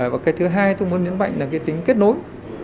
và cái thứ hai tôi muốn nhấn mạnh là cái tính kết nối